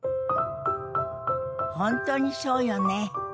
本当にそうよね。